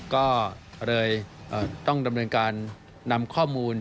ก็เลยต้องดำเนินการนำข้อมูล